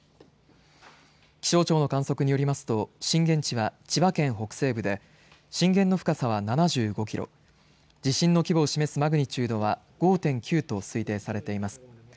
気象庁の観測によりますと震源地は千葉県北西部で震源の深さは７５キロ地震の規模を示すマグニチュードは５．９と推定されています。